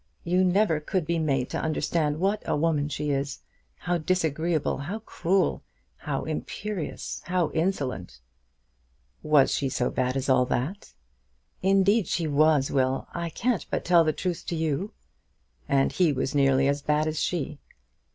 "You never could be made to understand what a woman she is; how disagreeable, how cruel, how imperious, how insolent." "Was she so bad as all that?" "Indeed she was, Will. I can't but tell the truth to you." "And he was nearly as bad as she."